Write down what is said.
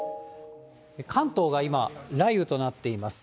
関東が今、雷雨となっています。